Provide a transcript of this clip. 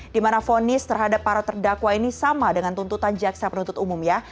di mana vonis terhadap para terdakwa ini sama dengan tuntutan jaksa penuntut umum ya